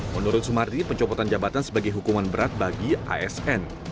menurut sumardi pencopotan jabatan sebagai hukuman berat bagi asn